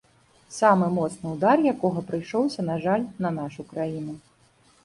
Самы моцны ўдар якога прыйшоўся, на жаль, на нашу краіну.